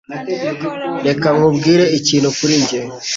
Reka nkubwire ikintu kuri njye.